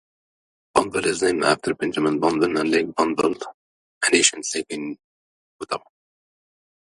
Bonneville is named after Benjamin Bonneville and Lake Bonneville, an ancient lake in Utah.